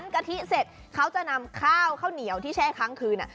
เขาจะนำข้าวข้าวเหนียวที่แช่ครั้งคืนอ่ะ